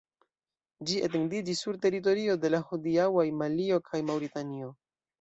Ĝi etendiĝis sur teritorio de la hodiaŭaj Malio kaj Maŭritanio.